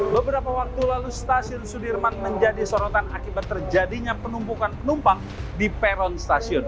beberapa waktu lalu stasiun sudirman menjadi sorotan akibat terjadinya penumpukan penumpang di peron stasiun